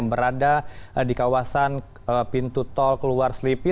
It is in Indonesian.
berapa pintu tol keluar sleepy